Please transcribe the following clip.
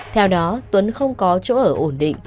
theo đó tuấn không có chỗ ở ổn định